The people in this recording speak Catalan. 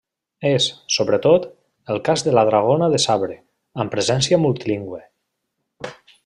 És, sobretot, el cas de la dragona de sabre, amb presència multilingüe.